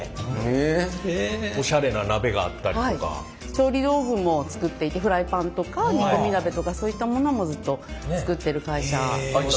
調理道具も作っていてフライパンとか煮込み鍋とかそういったものもずっと作ってる会社です。